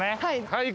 はい。